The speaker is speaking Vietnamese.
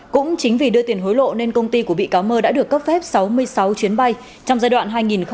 cũng chính vì đưa tiền hối lộ nên công ty của bị cáo mơ đã được cấp phép sáu mươi sáu chuyến bay trong giai đoạn hai nghìn một mươi chín hai nghìn hai mươi một